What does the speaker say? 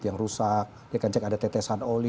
yang rusak dia akan cek ada tetesan oli